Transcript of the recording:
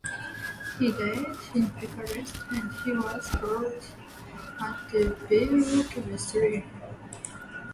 He died in Bucharest and he was buried at the Bellu Cemetery.